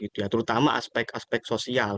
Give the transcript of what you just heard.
terutama aspek aspek sosial